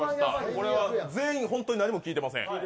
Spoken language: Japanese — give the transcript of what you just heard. これは全員ほんとに何も聞いていません。